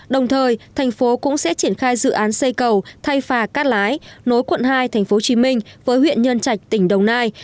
đồng thời thành phố cũng sẽ triển khai dự án xây cầu thay phà cát lái nối quận hai tp hcm với huyện nhân trạch tỉnh đồng nai